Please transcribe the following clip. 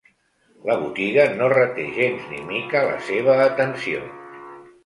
La botiga no reté gens ni mica la seva atenció.